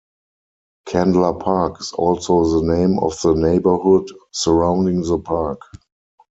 Candler Park is also the name of the neighborhood surrounding the park.